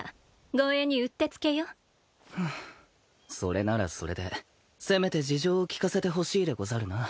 ハァそれならそれでせめて事情を聴かせてほしいでござるな。